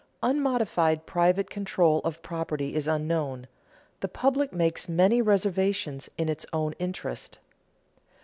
_Unmodified private control of property is unknown: the public makes many reservations in its own interest.